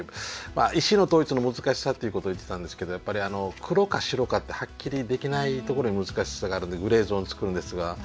まあ意思の統一の難しさっていうことを言ってたんですけどやっぱり黒か白かってはっきりできないところに難しさがあるんでグレーゾーンつくるんですが。